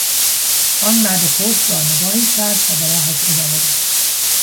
آن مرد کرد را نگاهی کرد و به راهش ادامه داد